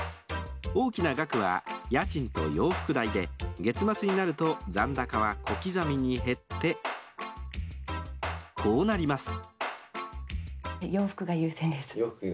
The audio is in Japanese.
大きな額は、家賃と洋服代で月末になると残高は小刻みに減ってこうなります。